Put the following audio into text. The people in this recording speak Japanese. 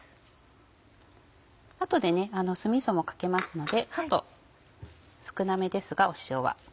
後で酢みそもかけますのでちょっと少なめですが塩は。